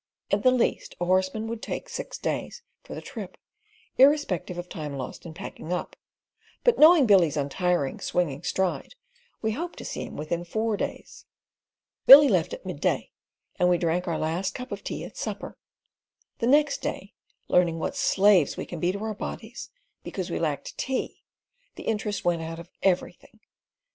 At the least a horseman would take six days for the trip, irrespective of time lost in packing up; but knowing Billy's untiring, swinging stride, we hoped to see him within four days. Billy left at midday, and we drank our last cup of tea at supper; the next day learned what slaves we can be to our bodies. Because we lacked tea, the interest went out of everything.